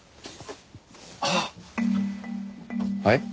はい？